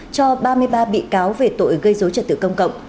cho ba mươi ba bị cáo về tội gây dối trật tự công cộng